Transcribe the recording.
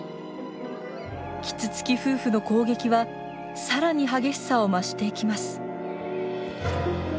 キツツキ夫婦の攻撃はさらに激しさを増していきます。